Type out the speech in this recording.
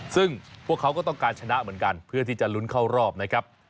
ซึ่งพวกเขาก็ต้องการชนะเหมือนกันเพื่อที่จะลุ้นเข้ารอบนะครับ